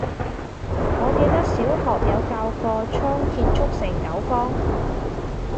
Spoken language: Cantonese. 我記得小學有教過倉頡速成九方